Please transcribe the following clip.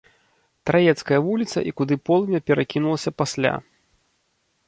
Траецкая вуліца і куды полымя перакінулася пасля.